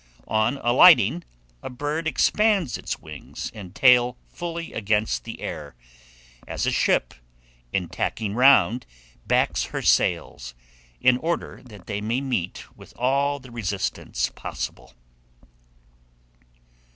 On alighting, a bird expands its wings and tail fully against the air, as a ship, in tacking round, backs her sails, in order that they may meet with all the resistance possible.